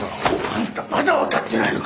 あんたまだ分かってないのか！